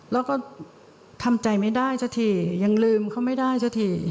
แล้วก็ทำใจไม่ได้สักทียังลืมเขาไม่ได้สักที